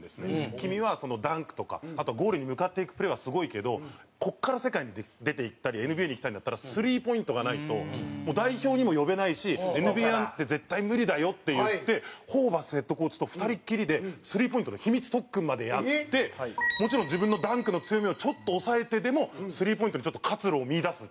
君はダンクとかあとはゴールに向かっていくプレーはすごいけどここから世界に出ていったりＮＢＡに行きたいんだったらスリーポイントがないと代表にも呼べないしＮＢＡなんて絶対無理だよって言ってホーバスヘッドコーチと２人きりでスリーポイントの秘密特訓までやってもちろん自分のダンクの強みをちょっと抑えてでもスリーポイントにちょっと活路を見いだすっていう。